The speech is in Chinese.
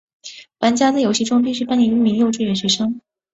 玩家在游戏中必须扮演一名幼稚园学生。